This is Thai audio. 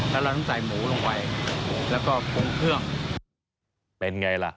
แล้วเราต้องใส่หมูลงไปแล้วก็ปรุงเครื่องเป็นไงล่ะ